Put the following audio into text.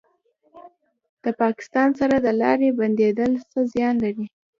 د پاکستان سره د لارې بندیدل څه زیان لري؟